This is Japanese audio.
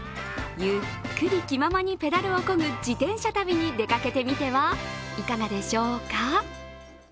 ゆっくり気ままにペダルをこぐ自転車旅に出かけてみてはいかがでしょうか。